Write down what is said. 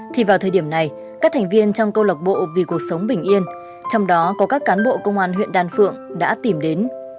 thì vào thời điểm này các thành viên trong câu lạc bộ vì cuộc sống bình yên trong đó có các cán bộ công an huyện đan phượng đã tìm đến